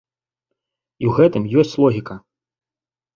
І ў гэтым ёсць логіка.